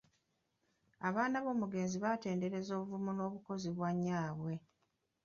Abaana b'omugenzi batenderezza obuvumu n'obukozi bwa nnyaabwe.